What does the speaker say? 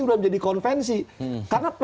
sudah menjadi konvensi karena